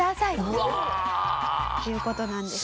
うわあ！という事なんです。